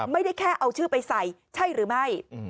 ไม่ได้แค่เอาชื่อไปใส่ใช่หรือไม่